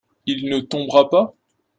Il ne tombera pas ?